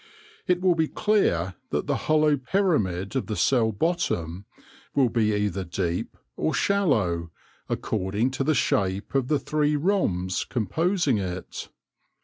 It will be clear that the hollow pyramid of the cell bottom will be either deep or shallow, according to the shape of the three rhombs composing it.